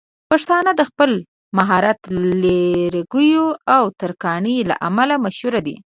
پښتانه د خپل مهارت لرګيو او ترکاڼۍ له امله مشهور دي.